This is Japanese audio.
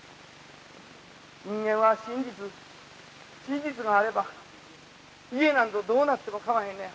「人間は真実真実があれば家なんぞどうなってもかまへんのや。